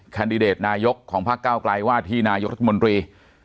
แดดิเดตนายกของพักเก้าไกลว่าที่นายกรัฐมนตรี